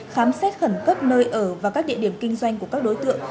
khám xét khẩn cấp nơi ở và các địa điểm kinh doanh của các đối tượng